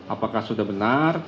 apakah sudah benar